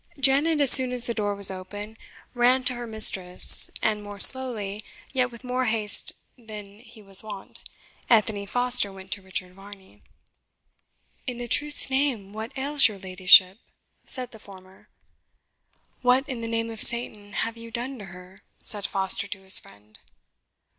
Janet, as soon as the door was open, ran to her mistress; and more slowly, yet with more haste than he was wont, Anthony Foster went to Richard Varney. "In the Truth's name, what ails your ladyship?" said the former. "What, in the name of Satan, have you done to her?" said Foster to his friend.